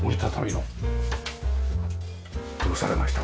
どうされました？